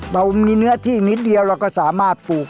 เรามีเนื้อที่นิดเดียวเราก็สามารถปลูก